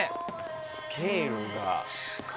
スケールが。